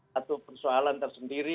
satu persoalan tersendiri